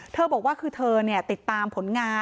เธอบอกว่าคือเธอเนี่ยติดตามผลงาน